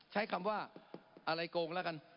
ใช้คำว่าอะไรโกงแล้วกัน